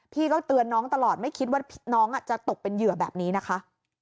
พี่ก็เตือนน้องตลอดไม่คิดว่าน้องจะตกเป็นเหยื่อแบบนี้นะคะ